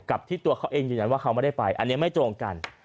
ที่ตัวเขาเองยืนยันว่าเขาไม่ได้ไปอันนี้ไม่ตรงกัน